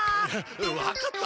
分かった！